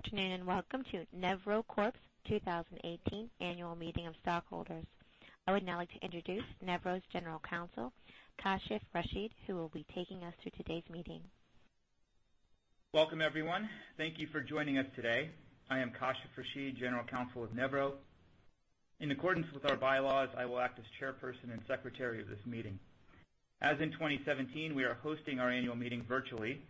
Good afternoon, and welcome to Nevro Corp.'s 2018 annual meeting of stockholders. I would now like to introduce Nevro's General Counsel, Kashif Rashid, who will be taking us through today's meeting. Welcome, everyone. Thank you for joining us today. I am Kashif Rashid, General Counsel of Nevro. In accordance with our bylaws, I will act as chairperson and secretary of this meeting. As in 2017, we are hosting our annual meeting virtually,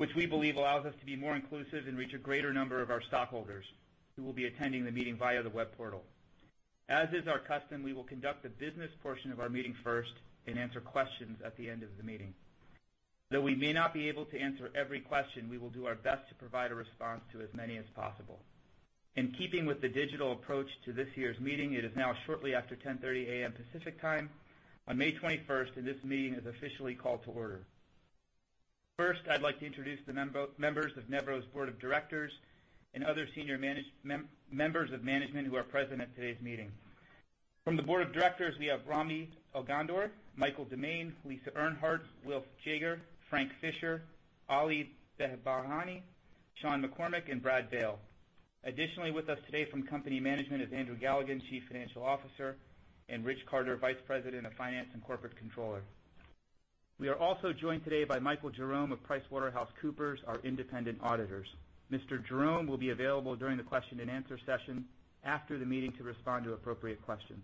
which we believe allows us to be more inclusive and reach a greater number of our stockholders who will be attending the meeting via the web portal. As is our custom, we will conduct the business portion of our meeting first and answer questions at the end of the meeting. Though we may not be able to answer every question, we will do our best to provide a response to as many as possible. In keeping with the digital approach to this year's meeting, it is now shortly after 10:30 A.M. Pacific Time on May 21st, this meeting is officially called to order. First, I'd like to introduce the members of Nevro's board of directors and other senior members of management who are present at today's meeting. From the board of directors, we have Rami Elghandour, Michael DeMane, Lisa Earnhardt, Wilf Jaeger, Frank Fischer, Ali Behbahani, Shawn McCormick, and Brad Vale. Additionally, with us today from company management is Andrew Galligan, Chief Financial Officer, Rich Carter, Vice President of Finance and Corporate Controller. We are also joined today by Michael Jerome of PricewaterhouseCoopers, our independent auditors. Mr. Jerome will be available during the question and answer session after the meeting to respond to appropriate questions.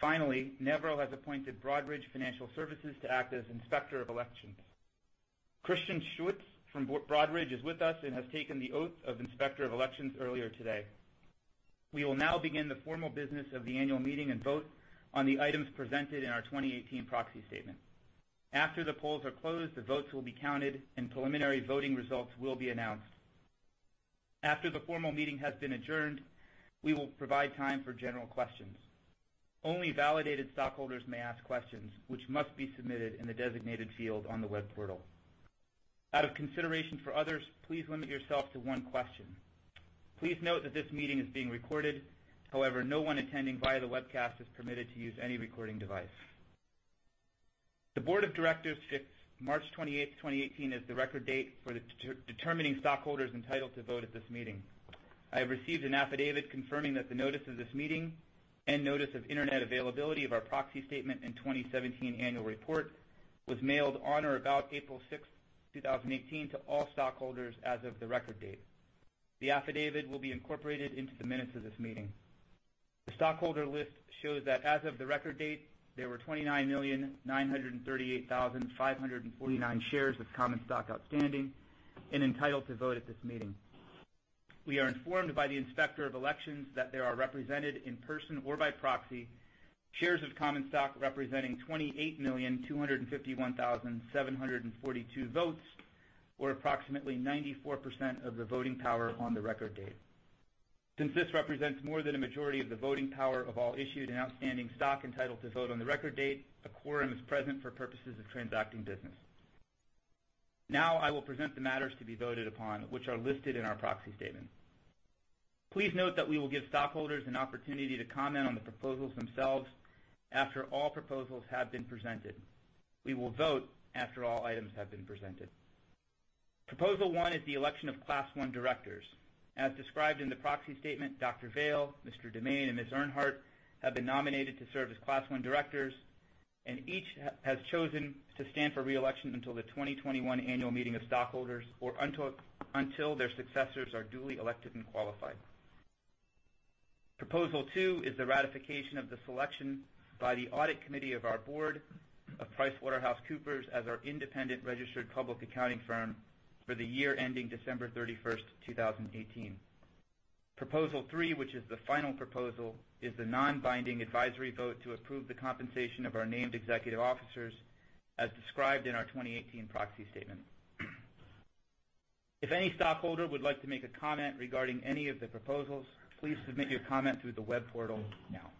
Finally, Nevro has appointed Broadridge Financial Solutions to act as inspector of elections. Christian Schutz from Broadridge is with us, has taken the oath of inspector of elections earlier today. We will now begin the formal business of the annual meeting, vote on the items presented in our 2018 proxy statement. After the polls are closed, the votes will be counted, preliminary voting results will be announced. After the formal meeting has been adjourned, we will provide time for general questions. Only validated stockholders may ask questions, which must be submitted in the designated field on the web portal. Out of consideration for others, please limit yourself to one question. Please note that this meeting is being recorded. However, no one attending via the webcast is permitted to use any recording device. The board of directors fixed March 28th, 2018, as the record date for determining stockholders entitled to vote at this meeting. I have received an affidavit confirming that the notice of this meeting and notice of internet availability of our proxy statement and 2017 annual report was mailed on or about April 6th, 2018, to all stockholders as of the record date. The affidavit will be incorporated into the minutes of this meeting. The stockholder list shows that as of the record date, there were 29,938,549 shares of common stock outstanding and entitled to vote at this meeting. We are informed by the inspector of elections that there are represented, in person or by proxy, shares of common stock representing 28,251,742 votes, or approximately 94% of the voting power on the record date. This represents more than a majority of the voting power of all issued and outstanding stock entitled to vote on the record date, a quorum is present for purposes of transacting business. I will present the matters to be voted upon, which are listed in our proxy statement. Please note that we will give stockholders an opportunity to comment on the proposals themselves after all proposals have been presented. We will vote after all items have been presented. Proposal 1 is the election of Class I directors. As described in the proxy statement, Dr. Vale, Mr. DeMane, and Ms. Earnhardt have been nominated to serve as Class I directors, and each has chosen to stand for re-election until the 2021 annual meeting of stockholders or until their successors are duly elected and qualified. Proposal 2 is the ratification of the selection by the audit committee of our board of PricewaterhouseCoopers as our independent registered public accounting firm for the year ending December 31st, 2018. Proposal 3, which is the final proposal, is the non-binding advisory vote to approve the compensation of our named executive officers as described in our 2018 proxy statement. If any stockholder would like to make a comment regarding any of the proposals, please submit your comment through the web portal now.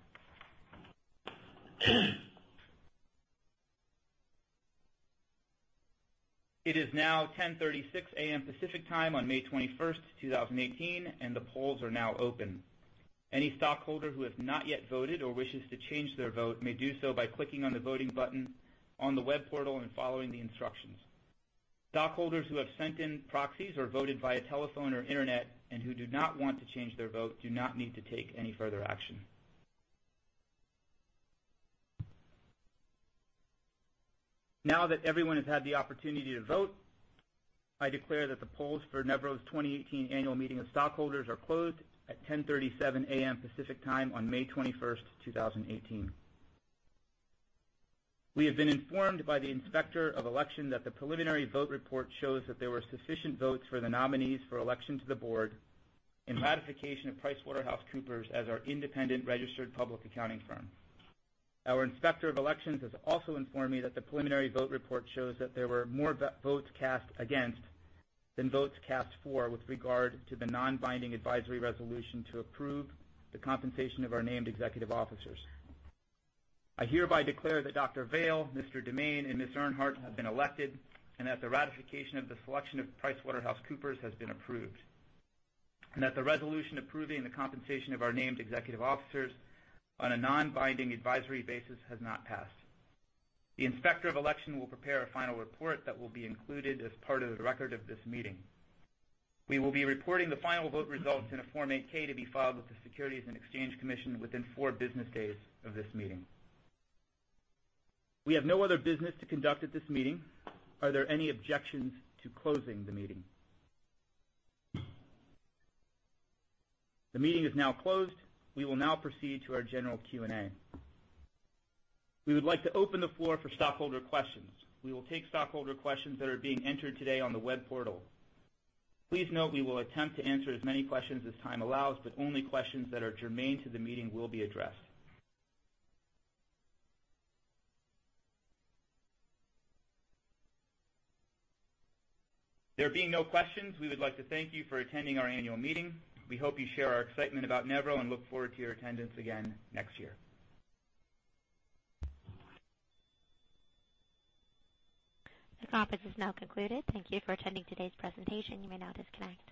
It is now 10:36 A.M. Pacific Time on May 21st, 2018, and the polls are now open. Any stockholder who has not yet voted or wishes to change their vote may do so by clicking on the voting button on the web portal and following the instructions. Stockholders who have sent in proxies or voted via telephone or internet and who do not want to change their vote do not need to take any further action. Now that everyone has had the opportunity to vote, I declare that the polls for Nevro's 2018 annual meeting of stockholders are closed at 10:37 A.M. Pacific Time on May 21st, 2018. We have been informed by the inspector of elections that the preliminary vote report shows that there were sufficient votes for the nominees for election to the board in ratification of PricewaterhouseCoopers as our independent registered public accounting firm. Our inspector of elections has also informed me that the preliminary vote report shows that there were more votes cast against than votes cast for with regard to the non-binding advisory resolution to approve the compensation of our named executive officers. I hereby declare that Dr. Vale, Mr. DeMane, and Ms. Earnhardt have been elected, and that the ratification of the selection of PricewaterhouseCoopers has been approved, and that the resolution approving the compensation of our named executive officers on a non-binding advisory basis has not passed. The inspector of election will prepare a final report that will be included as part of the record of this meeting. We will be reporting the final vote results in a Form 8-K to be filed with the Securities and Exchange Commission within four business days of this meeting. We have no other business to conduct at this meeting. Are there any objections to closing the meeting? The meeting is now closed. We will now proceed to our general Q&A. We would like to open the floor for stockholder questions. We will take stockholder questions that are being entered today on the web portal. Please note we will attempt to answer as many questions as time allows, only questions that are germane to the meeting will be addressed. There being no questions, we would like to thank you for attending our annual meeting. We hope you share our excitement about Nevro and look forward to your attendance again next year. The conference is now concluded. Thank you for attending today's presentation. You may now disconnect.